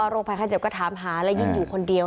โรคภัยไข้เจ็บก็ถามหาและยิ่งอยู่คนเดียว